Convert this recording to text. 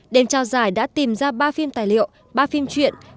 đêm trao giải đã tìm ra ba phim tài liệu ba phim truyện